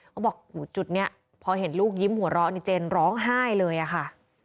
เขาบอกจุดนี้พอเห็นลูกยิ้มหัวเราะในเจนร้องไห้เลยอะค่ะ